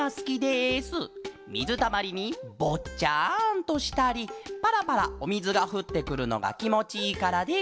みずたまりにぼっちゃんとしたりパラパラおみずがふってくるのがきもちいいからです。